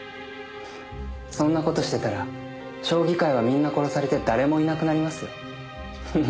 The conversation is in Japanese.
そんな事してたら将棋界はみんな殺されて誰もいなくなりますよ。